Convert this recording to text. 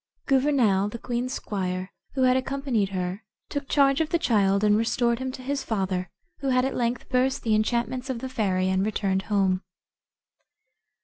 Gouvernail, the queen's squire, who had accompanied her, took charge of the child, and restored him to his father, who had at length burst the enchantments of the fairy, and returned home.